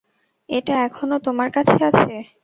এটা এখনো তোমার কাছে আছে।